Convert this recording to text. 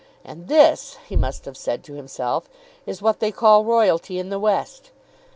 "And this," he must have said to himself, "is what they call royalty in the West!"